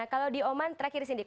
nah kalau di oman terakhir sindi